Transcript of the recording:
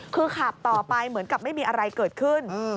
คือขับต่อไปเหมือนกับไม่มีอะไรเกิดขึ้น